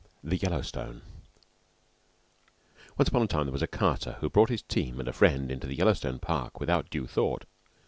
THE YELLOWSTONE ONCE upon a time there was a carter who brought his team and a friend into the Yellowstone Park without due thought.